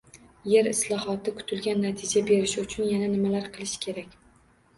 Yer islohoti kutilgan natija berishi uchun yana nimalar qilish kerak?